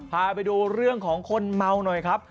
พาไปดูเรื่องของคนเมาหน่อยครับ